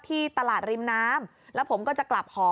ที่ตลาดริมน้ำแล้วผมก็จะกลับหอ